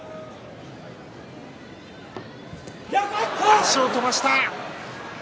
足を飛ばした。